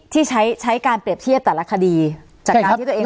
ที่ใช้ใช้การเปรียบเทียบแต่ละคดีจากการที่ตัวเอง